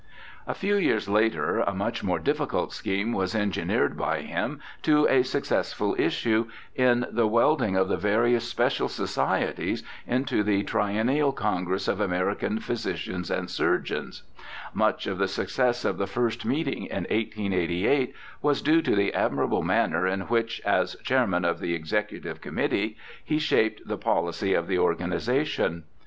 A few years later a much more difficult scheme was engineered by him to a successful issue, in the welding of the various special societies into the Triennial Con gress of American Physicians and Surgeons. Much of the success of the first meeting in 1888 was due to the admirable manner in which, as Chairman of the Execu 222 BIOGRAPHICAL ESSAYS tive Committee, he shaped the policy of the organization.